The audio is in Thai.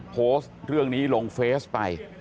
โพสต์เรื่องนี้ลงเฟซไป